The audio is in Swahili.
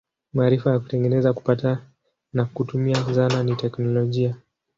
Maarifa ya kutengeneza, kupata na kutumia zana ni teknolojia.